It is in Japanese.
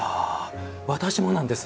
私もなんです。